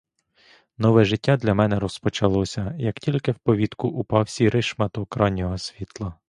Нове життя для мене розпочалося, як тільки в повітку упав сірий шматок раннього світла.